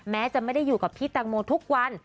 แม้จะไม่ได้อยู่กับพี่ตังโมทุกวัน